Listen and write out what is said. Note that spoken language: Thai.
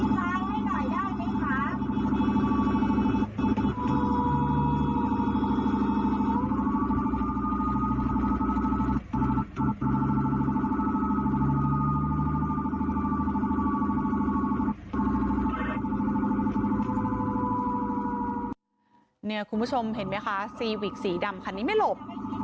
คุณผู้ชมเห็นไหมคะซีวิกสีดำคันนี้ไม่หลบ